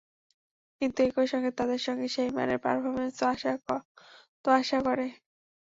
কিন্তু একই সঙ্গে তাঁদের কাছে সেই মানের পারফরম্যান্সও তো আশা করে।